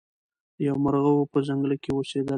یو مرغه وو په ځنګله کي اوسېدلی